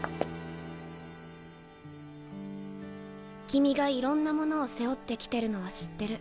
君がいろんなものを背負って来てるのは知ってる。